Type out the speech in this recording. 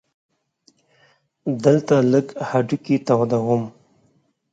دلته لږ هډوکي تودوم.